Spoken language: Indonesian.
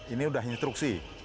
ini udah instruksi